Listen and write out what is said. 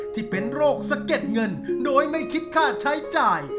ที่เป็นโรคสะเก็ดเงินโดยไม่คิดค่าใช้จ่าย